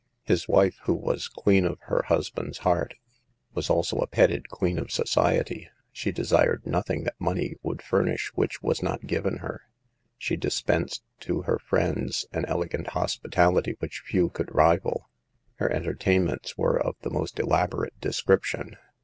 His wife, who was queen of her hus band's heart, was also a petted queen of society. She desired nothing that money would furnish which was not given her. She dispensed to her friends an elegant hospitality which few could rival. Her entertainments were of the most elaborate description.